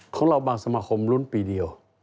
ของเราบางสมาคมลุ้นปีเดียว